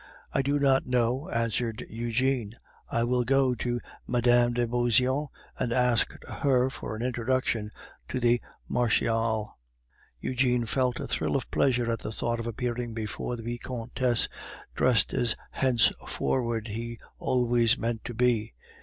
"I do not know," answered Eugene. "I will go to Mme. de Beauseant and ask her for an introduction to the Marechale." Eugene felt a thrill of pleasure at the thought of appearing before the Vicomtesse, dressed as henceforward he always meant to be.